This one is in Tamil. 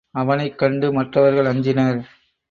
அவனைக் கண்டு மற்றவர்கள் அஞ்சினர்.